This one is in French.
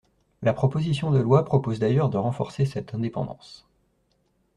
La proposition de loi propose d’ailleurs de renforcer cette indépendance.